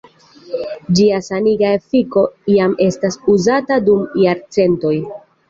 Ĝia saniga efiko jam estas uzata dum jarcentoj.